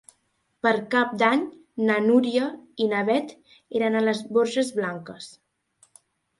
Per Cap d'Any na Núria i na Beth iran a les Borges Blanques.